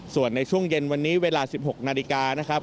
ส่วนในช่วงเย็นวันนี้เวลา๑๖นาฬิกานะครับ